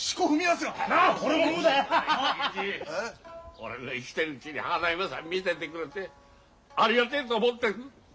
俺の生きてるうちに花嫁さん見せてくれてありがてえと思ってる。